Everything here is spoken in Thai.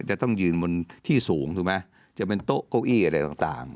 จะต้องยืนบนที่สูงถูกไหมจะเป็นโต๊ะเก้าอี้อะไรต่าง